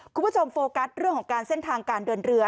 คุณผู้ชมโฟกัสเรื่องของเส้นทางการเดินเรือ